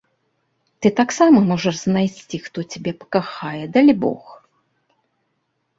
Ты таксама можаш знайсці, хто цябе пакахае, далібог.